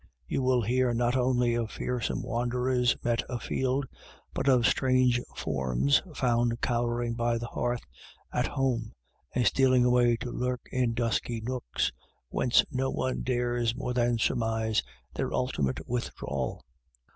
You will hear not only of fearsome wanderers met a field, but of strange forms found cowering by the hearth at home, and stealing away to lurk in dusky nooks, whence no one dares more than surmise their ultimate withdrawal.